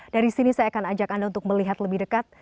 dari sini saya akan ajak anda untuk melihat lebih dekat